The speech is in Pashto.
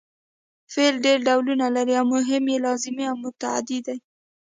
فعل ډېر ډولونه لري او مهم یې لازمي او متعدي دي.